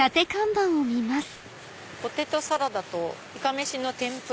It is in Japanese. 「ポテトサラダとイカメシの天ぷら」。